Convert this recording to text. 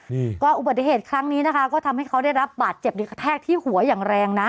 นี่ก็อุบัติเหตุครั้งนี้นะคะก็ทำให้เขาได้รับบาดเจ็บที่กระแทกที่หัวอย่างแรงนะ